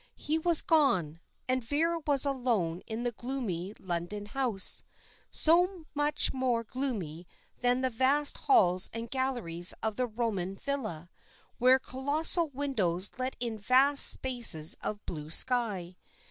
He was gone, and Vera was alone in the gloomy London house so much more gloomy than the vast halls and galleries of the Roman villa, where colossal windows let in vast spaces of blue sky.